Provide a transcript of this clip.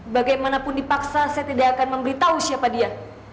bagaimanapun dipaksa saya tidak akan memberitahu siapa dia